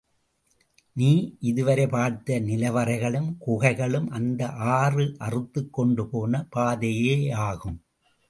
நீ இதுவரை பார்த்த நிலவறைகளும், குகைகளும் அந்த ஆறு அறுத்துக் கொண்டுபோன பாதையேயாகும்.